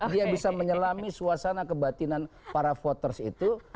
dia bisa menyelami suasana kebatinan para voters itu